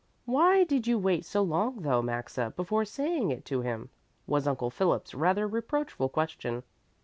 Why did you wait so long though, Maxa, before saying it to him?" was Uncle Philip's rather reproachful question.